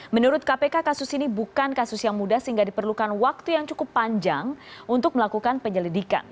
menurut kpk kasus ini bukan kasus yang mudah sehingga diperlukan waktu yang cukup panjang untuk melakukan penyelidikan